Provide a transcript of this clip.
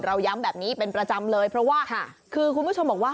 ย้ำแบบนี้เป็นประจำเลยเพราะว่าคือคุณผู้ชมบอกว่า